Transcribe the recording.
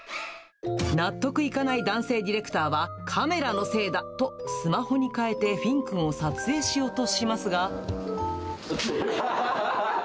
納得いかない男性ディレクターは、カメラのせいだとスマホに変えて、フィンくんを撮影しようとしますが。